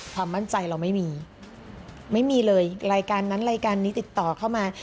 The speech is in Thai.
ความมั่นใจเราไม่มีไม่มีเลยรายการนั้นรายการนี้ติดต่อเข้ามา